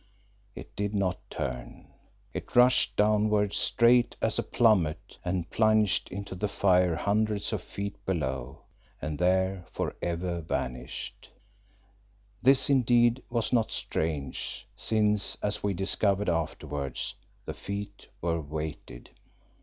It did not turn; it rushed downwards straight as a plummet and plunged into the fire hundreds of feet below, and there for ever vanished. This indeed was not strange since, as we discovered afterwards, the feet were weighted.